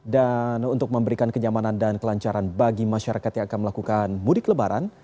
dan untuk memberikan kenyamanan dan kelancaran bagi masyarakat yang akan melakukan mudik lebaran